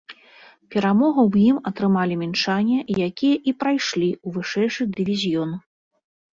Перамогу ў ім атрымалі мінчане, якія і прайшлі ў вышэйшы дывізіён.